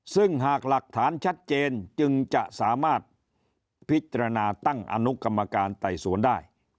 ซึ่งหากหลักฐานชัดเจนจึงจะสามารถพิจารณาตั้งอนุกรรมการไต่สวนได้